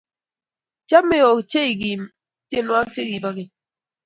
Chame ochei Kim tyenwogik chegibo keny